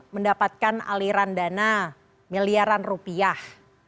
mendapatkan aliran dana miliaran rupiah